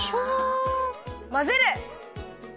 まぜる！